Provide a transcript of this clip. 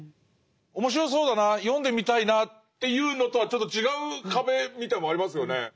面白そうだな読んでみたいなっていうのとはちょっと違う壁みたいなものありますよね。